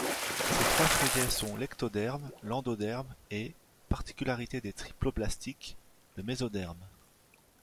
Ces trois feuillets sont l'ectoderme, l'endoderme et, particularité des triploblastiques, le mésoderme.